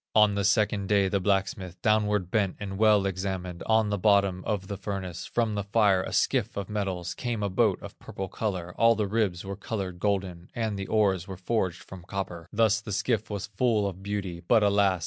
On the second day, the blacksmith Downward bent and well examined, On the bottom of the furnace; From the fire, a skiff of metals, Came a boat of purple color, All the ribs were colored golden, And the oars were forged from copper; Thus the skiff was full of beauty, But alas!